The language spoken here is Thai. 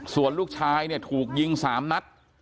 ส่วนลูกชายเนี่ยถูกยิง๓นัด